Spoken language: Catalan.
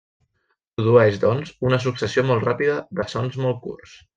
Produeix, doncs, una successió molt ràpida de sons molt curts.